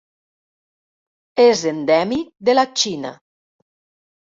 És endèmic de la Xina.